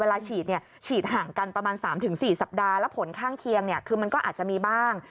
ฉีดฉีดห่างกันประมาณ๓๔สัปดาห์แล้วผลข้างเคียงคือมันก็อาจจะมีบ้าง